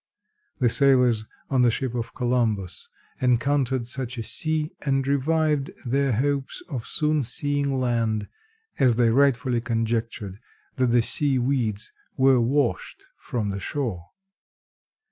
The sailors on the ships of Columbus encountered such a sea and revived their hopes of soon seeing land, as they rightfully conjectured that the sea weeds were washed from the shore.